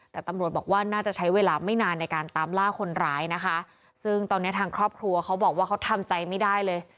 แต่ตำรวจบอกว่าน่าจะใช้เวลาไม่นานในการตามล่าคนร้ายนะคะซึ่งตอนเนี้ยทางครอบครัวเขาบอกว่าเขาทำใจไม่ได้เลย